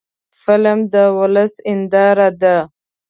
فلم د ولس هنداره ده